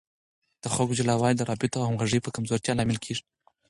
د خلکو جلاوالی د روابطو او همغږۍ په کمزورتیا لامل کیږي.